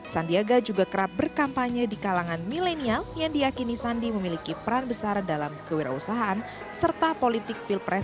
sandiaga juga kerap berkampanye di kalangan milenial yang diakini sandi memiliki peran besar dalam kewirausahaan serta politik pilpres dua ribu sembilan belas